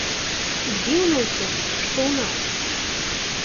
І дзіўна ўсё ж, што ў нас.